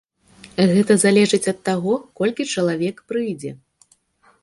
Гэта залежыць ад таго, колькі чалавек прыйдзе.